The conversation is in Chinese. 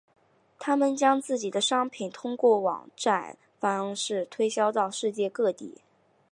他们将自己的商品通过网展方式推销到世界各地。